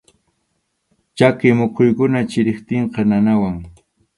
Chaki muquykunam chiriptinqa nanawan.